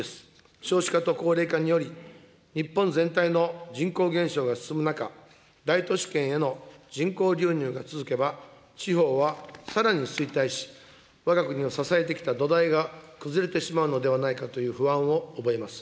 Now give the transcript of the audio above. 少子化と高齢化により、日本全体の人口減少が進む中、大都市圏への人口流入が続けば、地方はさらに衰退し、わが国を支えてきた土台が崩れてしまうのではないかという不安を覚えます。